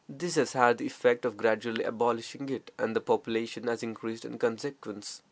This has had the effect of gradually abolishing it, and the population has increased in consequence.